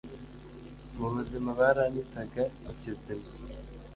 Mu buzima baranyitaga ikizima.